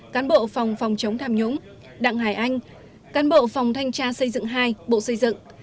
cán bộ phòng phòng chống tham nhũng đặng hải anh cán bộ phòng thanh tra xây dựng hai bộ xây dựng